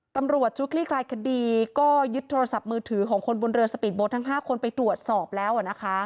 ตำรวจชุดคลี่คลายคดีก็ยึดโทรศัพท์มือถือของคนบนเรือสปีดโบ๊ททั้ง๕คนไปตรวจสอบแล้วนะคะ